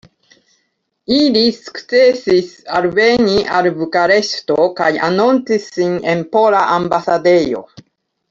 Ili sukcesis alveni al Bukareŝto kaj anoncis sin en Pola Ambasadejo.